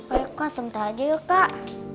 ayo kak sentar aja yuk kak